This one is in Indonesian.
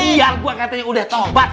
iya gua katanya udah tobat